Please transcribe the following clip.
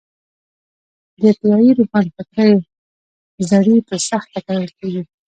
د ابتدايي روښانفکرۍ زړي په سخته کرل کېږي.